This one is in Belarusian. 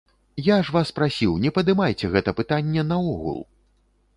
Я ж вас прасіў, не падымайце гэта пытанне наогул!